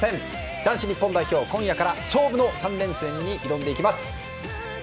男子日本代表、今夜から勝負の３連戦に挑んでいきます。